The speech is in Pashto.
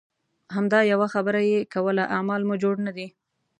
همدا یوه خبره یې کوله اعمال مو جوړ نه دي.